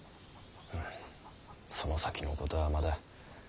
その先のことはまだ。